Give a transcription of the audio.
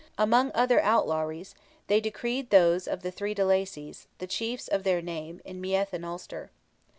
Among other outlawries they decreed those of the three de Lacys, the chiefs of their name, in Meath and Ulster.